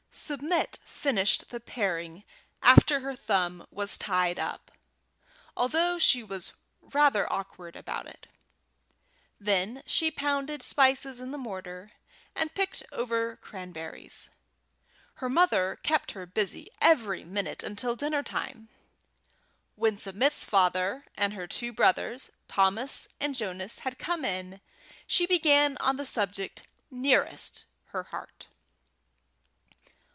Submit finished paring the apples after her thumb was tied up, although she was rather awkward about it. Then she pounded spices in the mortar, and picked over cranberries. Her mother kept her busy every minute until dinnertime. When Submit's father and her two brothers, Thomas and Jonas, had come in, she began on the subject nearest her heart.